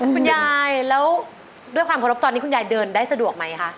คุณยายแล้วด้วยความเคารพตอนนี้คุณยายเดินได้สะดวกไหมคะ